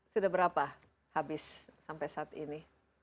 sudah berapa habis sampai saat ini